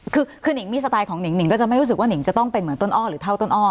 คือนิงมีสไตล์ของหิ่งหิงก็จะไม่รู้สึกว่าหนิงจะต้องเป็นเหมือนต้นอ้อหรือเท่าต้นอ้อ